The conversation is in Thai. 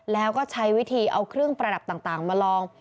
แล้วก็ใช้วิธีเอาเครื่องประดับต่างมาลอง